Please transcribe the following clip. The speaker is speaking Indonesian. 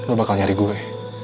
lo bakal nyari gue